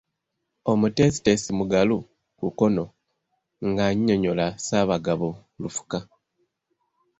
Omuteesiteesi Mugalu (ku kkono) ng'annyonnyola Ssaabagabo Lufuka.